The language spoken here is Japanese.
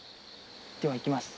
ではいきます。